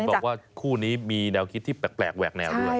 บอกว่าคู่นี้มีแนวคิดที่แปลกแหวกแนวด้วย